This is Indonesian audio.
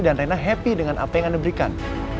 dan rena happy dengan apa yang anda berikan